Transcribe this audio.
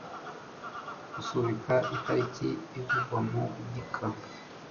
gusubika itariki ivugwa mu gika